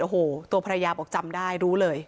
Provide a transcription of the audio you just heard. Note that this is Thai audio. โอ้โหตัวภรรยาบอกจำได้รู้เลย